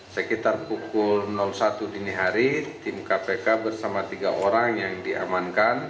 sekitar pukul satu dini hari tim kpk bersama tiga orang yang diamankan